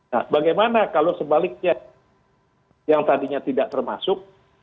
nah bagaimana kalau sebaliknya yang tadinya tidak termasuk